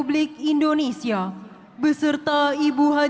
tuhan ku berkata